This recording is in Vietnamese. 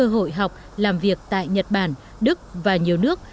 hội học làm việc tại nhật bản đức và nhiều nước